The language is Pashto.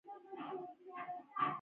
کلي د افغانستان د طبعي سیسټم توازن ساتي.